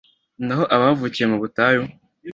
naho abavukiye mu butayu